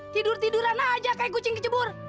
tidur tiduran aja kayak kucing kejebur